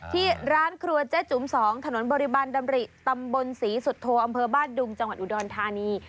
ที่ร้านครัวเจ๊จุ๋ม๒ถนนบริบันดำริตำบลศรีสุโธอำเภอบ้านดุงจังหวัดอุดรธานี